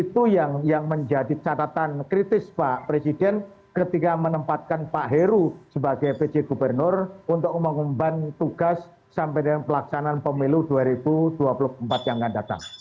itu yang menjadi catatan kritis pak presiden ketika menempatkan pak heru sebagai pj gubernur untuk mengumban tugas sampai dengan pelaksanaan pemilu dua ribu dua puluh empat yang akan datang